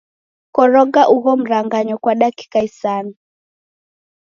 Koroga ugho mranganyo kwa dakika isanu.